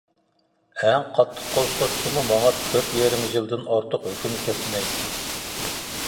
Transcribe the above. ئەڭ قاتتىق قول سوتچىمۇ ماڭا تۆت يېرىم يىلدىن ئارتۇق ھۆكۈم كەسمەيدۇ.